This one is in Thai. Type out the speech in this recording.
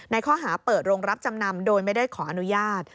ข้อหาเปิดโรงรับจำนำโดยไม่ได้ขออนุญาต